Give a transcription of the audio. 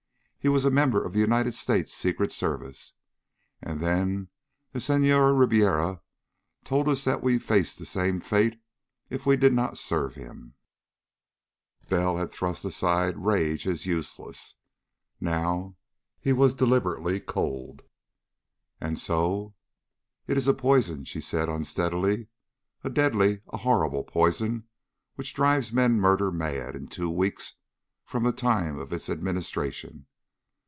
He was a member of the United States Secret Service.... And then the Senhor Ribiera told us that we faced the same fate if we did not serve him...." Bell had thrust aside rage as useless, now. He was deliberately cold. "And so?" "It is a poison," she said unsteadily. "A deadly, a horrible poison which drives men murder mad in two weeks from the time of its administration.